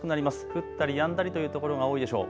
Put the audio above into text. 降ったりやんだりという所が多いでしょう。